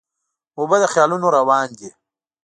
اوبه د خیالونو روان دي.